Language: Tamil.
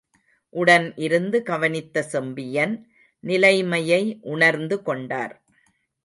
உடன் இருந்து கவனித்த செம்பியன், நிலைமையை உணர்ந்து கொண்டார்.